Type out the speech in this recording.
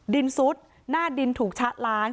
ซุดหน้าดินถูกชะล้าง